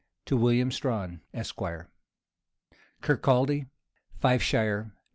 TO WILLLIAM STRAHAN, ESQ. Kirkaldy, Fifeshire, Nov.